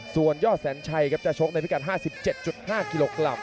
ส่วนยอดแสนชัยครับจะชกในพิกัด๕๗๕กิโลกรัม